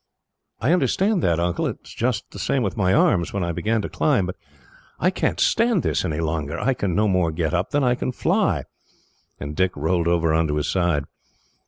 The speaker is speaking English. "I understand that, Uncle. It was just the same with my arms, when I began to climb. But I can't stand this any longer. I can no more get up than I can fly;" and Dick rolled over on to his side.